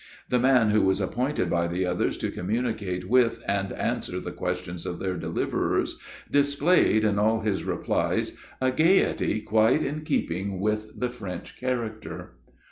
The man who was appointed by the others to communicate with, and answer the questions of their deliverers, displayed, in all his replies, a gayety quite in keeping with the French character.